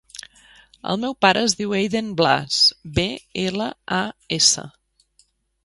El meu pare es diu Eiden Blas: be, ela, a, essa.